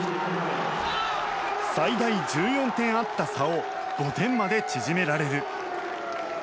最大１４点あった差を５点まで縮められる。